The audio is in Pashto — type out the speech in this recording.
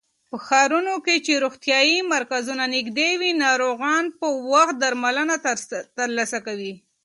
په ښارونو کې چې روغتيايي مرکزونه نږدې وي، ناروغان په وخت درملنه ترلاسه کوي.